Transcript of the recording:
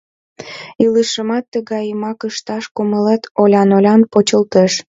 Илышымат тыгайымак ышташ кумылет олян-олян почылтеш.